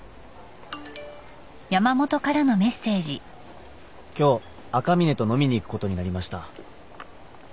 「今日赤嶺と飲みに行くことになりました」